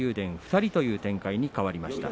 ２人の展開に変わりました。